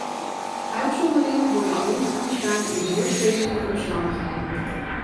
Uitzonderingen worden alleen toegestaan in zeer specifieke omstandigheden.